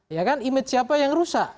ya kan image siapa yang rusak